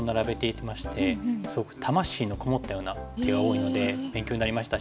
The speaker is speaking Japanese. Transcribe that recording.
すごく魂のこもったような手が多いので勉強になりましたし。